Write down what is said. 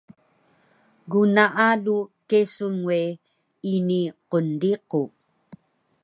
Gnaalu kesun we ini qnriqu